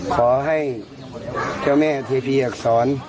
ขอให้เจ้าแม่เทพีอักษร